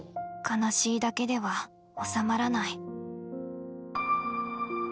悲しいだけではおさまらない。